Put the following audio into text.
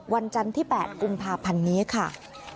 วันจันทร์ที่๘กุมภาพันธ์นี้ค่ะ